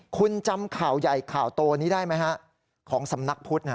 คุณจำข่าวใหญ่ข่าวโตนี้ได้ไหมฮะของสำนักพุทธ